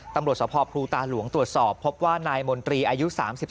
ตำรวจสภพลูตาหลวงตรวจสอบพบว่านายมนตรีอายุ๓๓